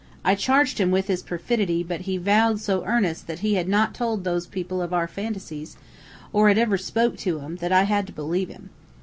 I charged him with his perfidy, but he vowed so earnest that he had not told these people of our fancies, or ever had spoke to 'em, that I had to believe him.